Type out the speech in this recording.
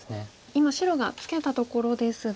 今白がツケたところですが。